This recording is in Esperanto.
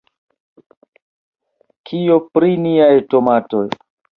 Kio pri niaj tomatoj?